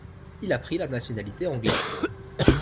Il a pris la nationalité anglaise.